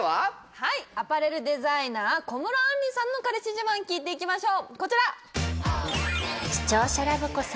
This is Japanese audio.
はいアパレルデザイナー小室安里さんの彼氏自慢聞いていきましょう